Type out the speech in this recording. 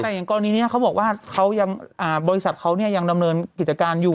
แต่ก่อนนี้เขาบอกว่าเยี่ยมบริษัทเขายังดำเนินกิจการอยู่